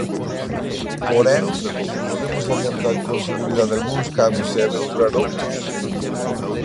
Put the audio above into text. Porén, si podemos adiantar con seguridade algúns cambios e aventurar outros.